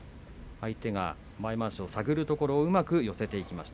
相手が前まわしを下がるところを寄せていきました。